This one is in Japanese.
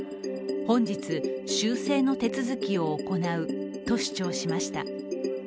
本日、修正の手続きを行うと主張しました。